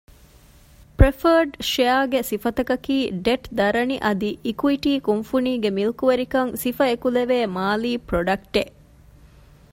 ޕްރެފަރޑް ޝެއަރގެ ސިފަތަކަކީ ޑެޓް ދަރަނި އަދި އިކުއިޓީ ކުންފުނީގެ މިލްކުވެރިކަން ސިފަ އެކުލެވޭ މާލީ ޕްރޮޑަކްޓެއް